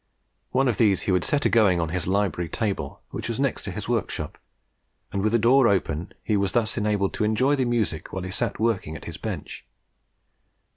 One of these he would set agoing on his library table, which was next to his workshop, and with the door kept open, he was thus enabled to enjoy the music while he sat working at his bench.